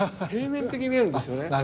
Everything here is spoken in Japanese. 平面的に見えるんですよね。